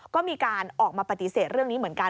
ก็มีการออกมาปฏิเสธเรื่องนี้เหมือนกัน